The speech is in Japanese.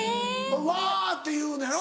わぁ！って言うのやろ。